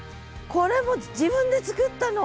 これも自分で作ったの！？